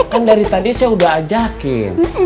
kan dari tadi saya udah ajakin